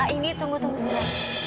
ini tunggu tunggu sebentar